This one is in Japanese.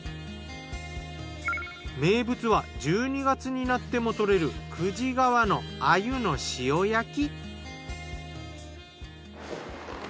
名物は１２月になっても獲れる久慈川の鮎の塩焼き。